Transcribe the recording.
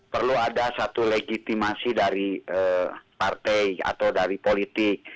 perlu ada satu legitimasi dari partai atau dari politik